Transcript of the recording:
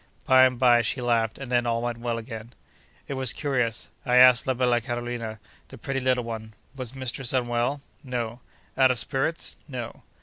By and by, she laughed, and then all went well again. It was curious. I asked la bella Carolina, the pretty little one, Was mistress unwell?—No.—Out of spirits?—No.